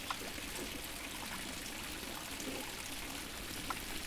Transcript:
Algunas varían la posición horizontal y otros la vertical de las componentes de color.